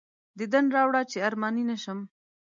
دیدن راوړه چې ارماني نه شم.